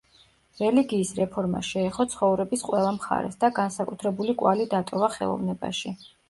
რელიგიის რეფორმა შეეხო ცხოვრების ყველა მხარეს და განსაკუთრებული კვალი დატოვა ხელოვნებაში.